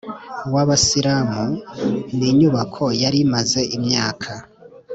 w’ Abasilamu, ni inyubako yari imaze imyaka